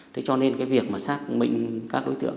thế cho nên cái việc mà xác định các đối tượng